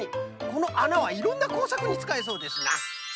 このあなはいろんなこうさくにつかえそうですな。